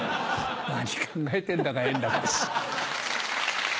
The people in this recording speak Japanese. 何考えてんだか円楽です。